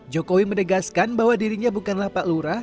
jokowi menegaskan bahwa dirinya bukanlah pak lurah